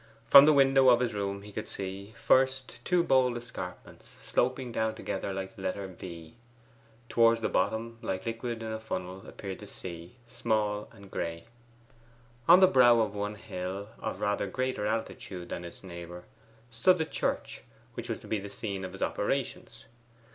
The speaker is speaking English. From the window of his room he could see, first, two bold escarpments sloping down together like the letter V. Towards the bottom, like liquid in a funnel, appeared the sea, gray and small. On the brow of one hill, of rather greater altitude than its neighbour, stood the church which was to be the scene of his operations.